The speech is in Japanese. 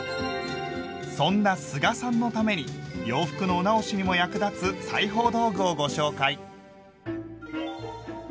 そんな須賀さんのために洋服のお直しにも役立つ裁縫道具をご紹介。